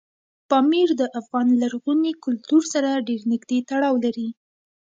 پامیر د افغان لرغوني کلتور سره ډېر نږدې تړاو لري.